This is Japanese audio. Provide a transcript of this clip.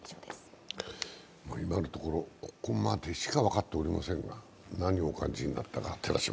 今のところ、ここまでしか分かっておりませんが、何をお感じになったか。